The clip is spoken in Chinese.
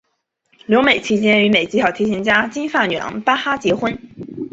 留美期间与美籍小提琴家金发女郎巴哈结婚。